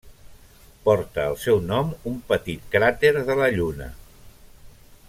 Porta el seu nom un petit cràter de la Lluna.